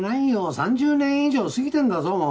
３０年以上過ぎてるんだぞもう。